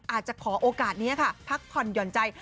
อาจจะขอโอกาสนี้ค่ะพักผ่อนหย่อนใจ